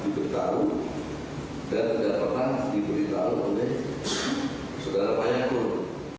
diberitahu saya tidak pernah diberitahu oleh soeja sembanyakku